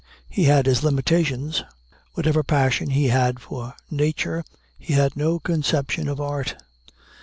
He had his limitations. Whatever passion he had for nature, he had no conception of art.